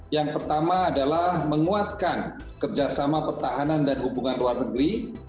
yang pertama adalah menguatkan kerjasama pertahanan dan hubungan luar negeri